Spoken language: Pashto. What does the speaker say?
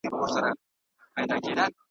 د دردونو او غمونو نرۍ لاري را ته ګوري .